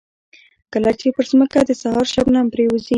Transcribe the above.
کله چې پر ځمکه د سهار شبنم پرېوځي.